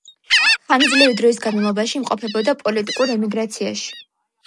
ხანგრძლივი დროის განმავლობაში იმყოფებოდა პოლიტიკურ ემიგრაციაში.